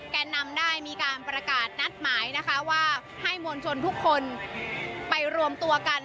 แก่นำได้มีการประกาศนัดหมายนะคะว่าให้มวลชนทุกคนไปรวมตัวกัน